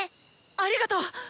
ありがとう！